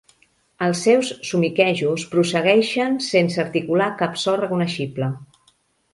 Els seus somiquejos prossegueixen sense articular cap so reconeixible.